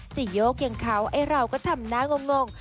โยกอย่างเขาไอ้เราก็ทำหน้างง